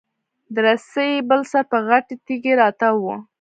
د رسۍ بل سر په غټې تېږي راتاو و.